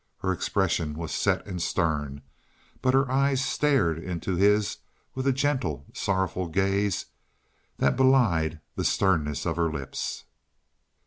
Her expression was set and stern, but her eyes stared into his with a gentle, sorrowful gaze that belied the sternness of her lips.